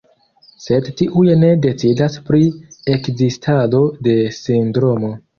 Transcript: Sed tiuj ne decidas pri ekzistado de sindromo.